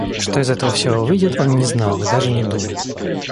Что из этого всего выйдет, он не знал и даже не думал.